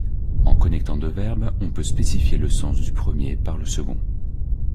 En connectant deux verbes, on peut spécifier le sens du premier par le second.